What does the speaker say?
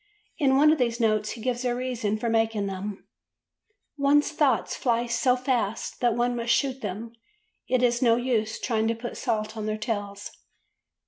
In one of these notes he gives a reason for making them: "One's thoughts fly so fast that one must shoot them; it is no use trying to put salt on their tails."